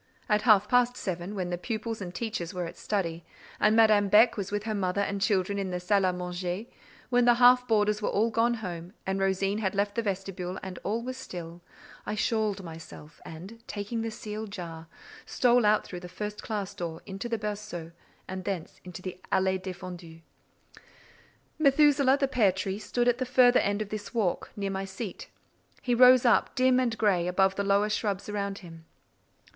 At half past seven, when the pupils and teachers were at study, and Madame Beck was with her mother and children in the salle à manger, when the half boarders were all gone home, and Rosine had left the vestibule, and all was still—I shawled myself, and, taking the sealed jar, stole out through the first classe door, into the berceau and thence into the "allée défendue." Methusaleh, the pear tree, stood at the further end of this walk, near my seat: he rose up, dim and gray, above the lower shrubs round him.